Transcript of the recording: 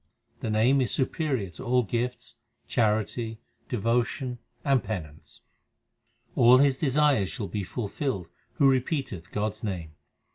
The Name is superior to all gifts, charity, devotion, and penance. All his desires shall be fulfilled who repeateth God s name.